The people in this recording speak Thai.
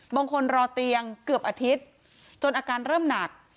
รอเตียงเกือบอาทิตย์จนอาการเริ่มหนัก